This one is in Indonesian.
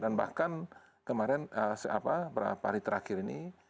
dan bahkan kemarin beberapa hari terakhir ini